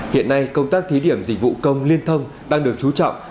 hiện nay công tác thí điểm dịch vụ công liên thông đang được chú trọng